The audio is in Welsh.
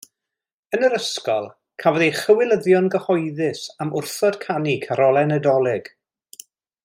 Yn yr ysgol cafodd ei chywilyddio'n gyhoeddus am wrthod canu carolau Nadolig.